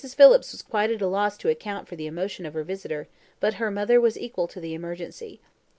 Phillips was quite at a loss to account for the emotion of her visitor, but her mother was equal to the emergency.